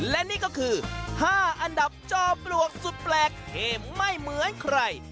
และนี่ก็คือ๕อันดับจอมปลวกสุดแปลกที่ไม่เหมือนใคร